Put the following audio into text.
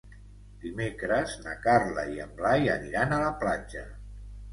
Dimecres na Carla i en Blai aniran a la platja.